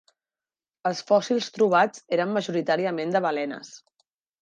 Els fòssils trobats eren majoritàriament de balenes.